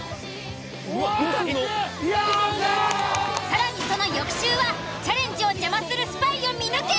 更にその翌週はチャレンジを邪魔するスパイを見抜け！